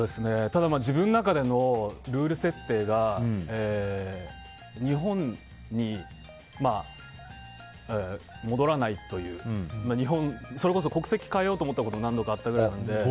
ただ、自分の中でのルール設定が日本に戻らないという、それこそ国籍を変えようと思ったことが何度かあったくらいなので。